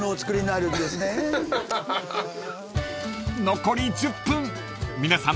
［残り１０分皆さん